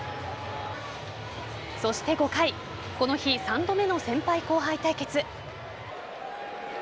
そして５回この日３度目の先輩後輩対決。